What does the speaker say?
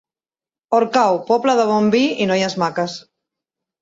Orcau, poble de bon vi i noies maques.